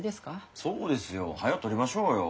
そうですよはよ撮りましょうよ。